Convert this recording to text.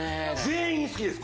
全員好きです